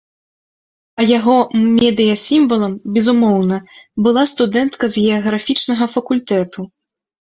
А яго медыя-сімвалам, безумоўна, была студэнтка з геаграфічнага факультэту.